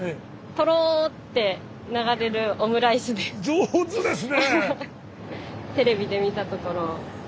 上手ですね！